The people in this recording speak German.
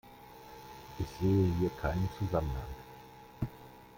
Ich sehe hier keinen Zusammenhang.